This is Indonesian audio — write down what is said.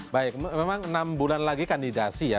baik memang enam bulan lagi kandidasi ya